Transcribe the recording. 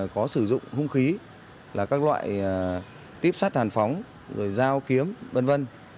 có sử dụng hung khí là các loại tiếp sát hàn phóng rồi giao kiếm v v